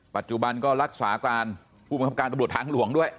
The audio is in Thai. ปัจจุบันก็รักษาการผู้บังคับการตำรวจทางหลวงด้วย